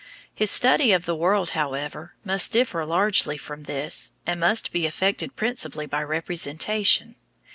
His study of the world, however, must differ largely from this, and must be effected principally by representation.